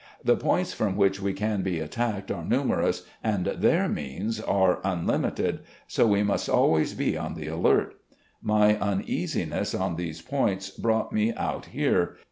The points from which we can be attacked are numerous, and their means are unlimited. So we must always be on the alert. My imeasiness on these points brought me out here.